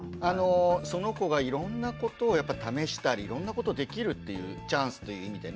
その子がいろんなことを試したりいろんなことできるっていうチャンスっていう意味でね